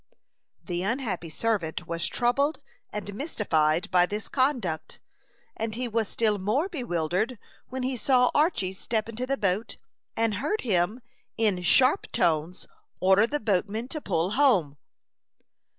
The unhappy servant was troubled and mystified by this conduct; and he was still more bewildered when he saw Archy step into the boat, and heard him, in sharp tones, order the boatmen to pull home.